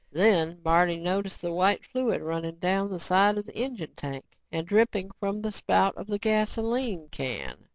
Then Barney noticed the white fluid running down the side of the engine tank and dripping from the spout of the gasoline can.